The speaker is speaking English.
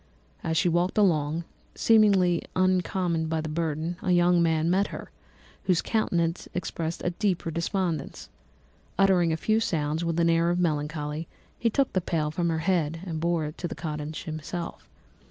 As she walked along, seemingly incommoded by the burden, a young man met her, whose countenance expressed a deeper despondence. Uttering a few sounds with an air of melancholy, he took the pail from her head and bore it to the cottage himself.